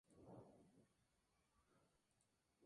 Fue identificado con Horus en el periodo ptolemaico y romano.